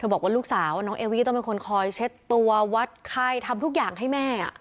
บอกว่าลูกสาวน้องเอวี่ต้องเป็นคนคอยเช็ดตัววัดไข้ทำทุกอย่างให้แม่